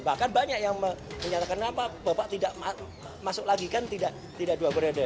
bahkan banyak yang menyatakan kenapa bapak tidak masuk lagi kan tidak dua periode